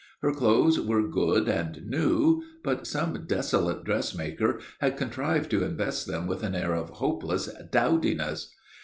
Her clothes were good and new, but some desolate dressmaker had contrived to invest them with an air of hopeless dowdiness.